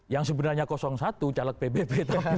yang sebenarnya satu calon pbb